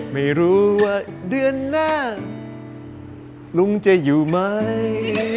ไม่รู้ว่าเดือนหน้าลุงจะอยู่ไหม